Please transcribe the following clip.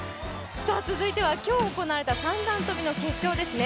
続いては今日行われた三段跳の決勝ですね。